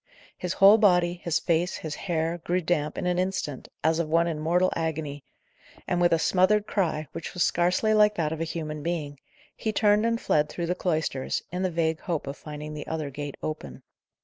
His whole body, his face, his hair, grew damp in an instant, as of one in mortal agony, and with a smothered cry, which was scarcely like that of a human being, he turned and fled through the cloisters, in the vague hope of finding the other gate open.